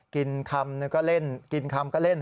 กินคำนึงก็เล่นกินคำก็เล่น